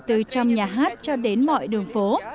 từ trăm nhà hát cho đến mọi đường phố